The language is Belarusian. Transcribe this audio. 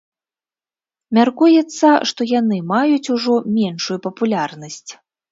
Мяркуецца, што яны маюць ужо меншую папулярнасць.